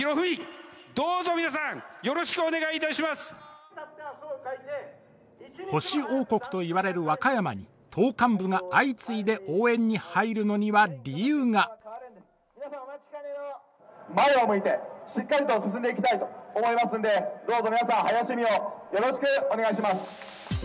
更に保守王国と言われる和歌山に党幹部が相次いで応援に入るのには理由が前を向いてしっかりと進んでいきたいと思いますんでどうぞ皆さん林佑美をよろしくお願いします。